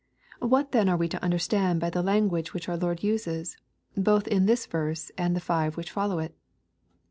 What then are we to understand by the language which our Lord uses, both in this verse and the five which follow it?